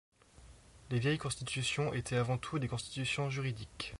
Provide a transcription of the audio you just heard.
Les vieilles constitutions étaient avant tout des constitutions juridiques.